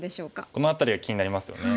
この辺りが気になりますよね。